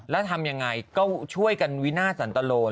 แล้วทำยังไงก็ช่วยกันวินาทสันตโล